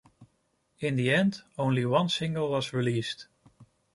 In the end, only one single was released.